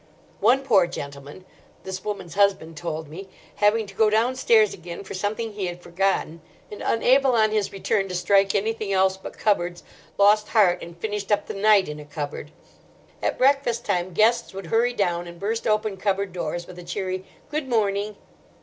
One poor gentleman, this woman's husband told me, having to go downstairs again for something he had forgotten, and unable on his return to strike anything else but cupboards, lost heart and finished up the night in a cupboard. At breakfast time guests would hurry down, and burst open cupboard doors with a cheery "Good morning."